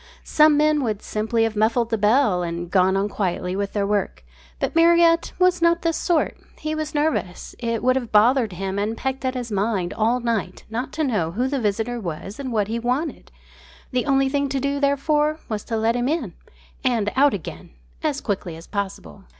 Some men would simply have muffled the bell and gone on quietly with their work. But Marriott was not this sort. He was nervous. It would have bothered and pecked at his mind all night long not to know who the visitor was and what he wanted. The only thing to do, therefore, was to let him in and out again as quickly as possible.